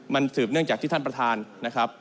มันสืบเนื่องจากที่ท่านประธานนะครับ